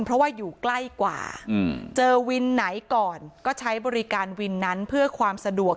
เพราะว่าอยู่ใกล้กว่าเจอวินไหนก่อนก็ใช้บริการวินนั้นเพื่อความสะดวก